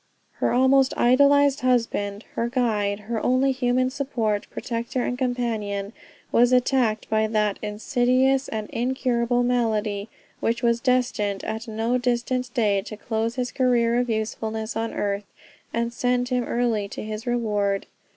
Her almost idolized husband, her guide, her only human support, protector, and companion, was attacked by that insidious and incurable malady which was destined at no distant day to close his career of usefulness on earth, and send him early to his reward.